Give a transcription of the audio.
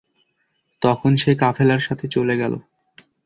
তখন সে কাফেলার সাথে চলে গেল।